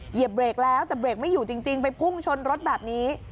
เหยียบเบรกแล้วแต่เบรกไม่อยู่จริงไปพุ่งชนรถแบบนี้